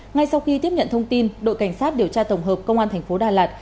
ngay sau khi tiếp nhận thông tin đội cảnh sát điều tra tổng hợp công an thành phố đà lạt